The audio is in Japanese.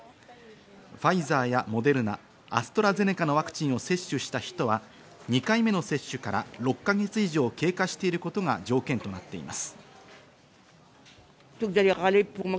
ファイザーやモデルナ、アストラゼネカのワクチンを接種した人は２回目の接種から６か月以上経過していることが条件となっています。